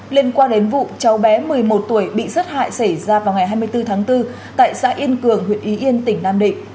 liên quan đến vụ cháu bé một mươi một tuổi bị sát hại xảy ra vào ngày hai mươi bốn tháng bốn tại xã yên cường huyện y yên tỉnh nam định